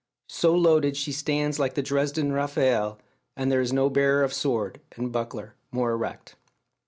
So loaded she stands like the Dresden Raphael, and there is no bearer of sword and buckler more erect.